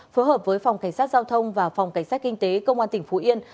phối hợp với phòng cảnh sát giao thông và phòng cảnh sát kinh tế công an tỉnh phú yên